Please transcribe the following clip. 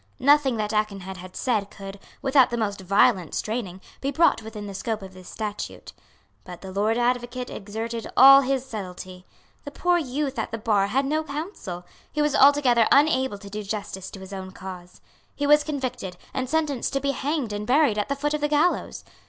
Nothing that Aikenhead had said could, without the most violent straining, be brought within the scope of this statute. But the Lord Advocate exerted all his subtlety. The poor youth at the bar had no counsel. He was altogether unable to do justice to his own cause. He was convicted, and sentenced to be hanged and buried at the foot of the gallows.